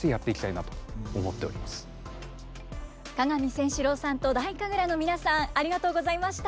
鏡味仙志郎さんと太神楽の皆さんありがとうございました。